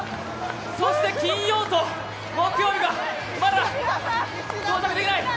そして金曜と木曜日がまだ来てない。